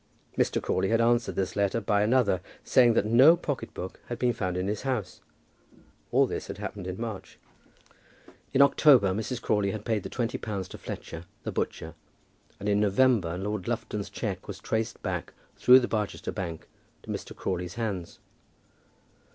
Mr. Crawley had answered this letter by another, saying that no pocket book had been found in his house. All this had happened in March. In October, Mrs. Crawley paid the twenty pounds to Fletcher, the butcher, and in November Lord Lufton's cheque was traced back through the Barchester bank to Mr. Crawley's hands.